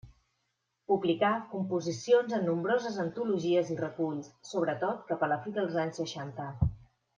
Publicà composicions en nombroses antologies i reculls, sobretot cap a la fi dels anys seixanta.